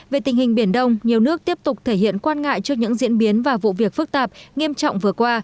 về tình hình biển đông nhiều nước tiếp tục thể hiện quan ngại trước những diễn biến và vụ việc phức tạp nghiêm trọng vừa qua